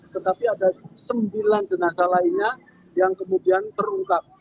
tetapi ada sembilan jenazah lainnya yang kemudian terungkap